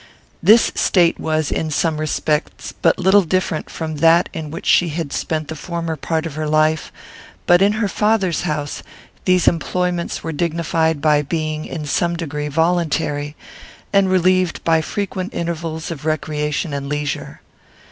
This state was, in some respects, but little different from that in which she had spent the former part of her life; but, in her father's house, these employments were dignified by being, in some degree, voluntary, and relieved by frequent intervals of recreation and leisure.